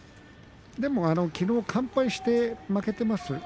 きのう完敗して負けています。